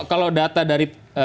kalau data dari